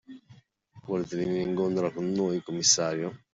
Volete venire in gondola con noi, commissario?